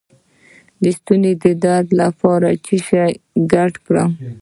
د ستوني درد لپاره څه شی ګډ کړم؟